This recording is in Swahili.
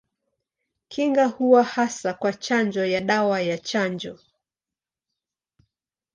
Kinga huwa hasa kwa chanjo ya dawa ya chanjo.